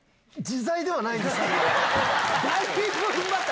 自在ではないですけど。